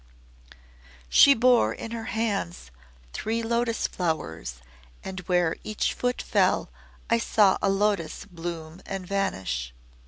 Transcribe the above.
"She bore in her hands three lotos flowers, and where each foot fell I saw a lotos bloom and vanish."